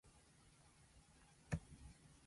日本の食品ロスは深刻だ。